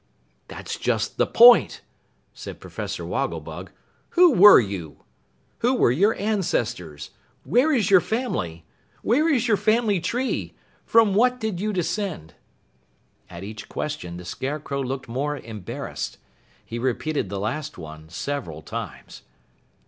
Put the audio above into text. "That's just the point," said Professor Wogglebug. "Who were you? Who were your ancestors? Where is your family? Where is your family tree? From what did you descend?" At each question, the Scarecrow looked more embarrassed. He repeated the last one several times.